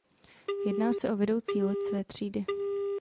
Jedná se o vedoucí loď své třídy.